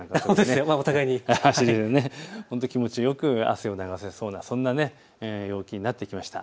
気持ちよく汗を流せそうなそんな陽気になってきました。